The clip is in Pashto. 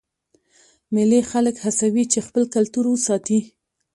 مېلې خلک هڅوي چې خپل کلتور وساتي.